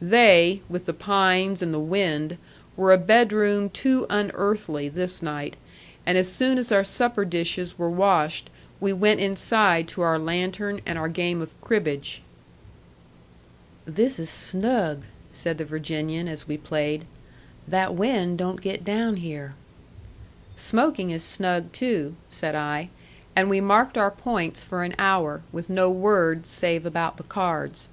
They, with the pines and the wind, were a bedroom too unearthly this night. And as soon as our supper dishes were washed we went inside to our lantern and our game of cribbage. "This is snug," said the Virginian, as we played. "That wind don't get down here." "Smoking is snug, too," said I. And we marked our points for an hour, with no words save about the cards.